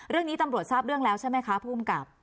เรื่องนี้ตำรวจทราบเรื่องแล้วใช่ไหมคะภูมิกับ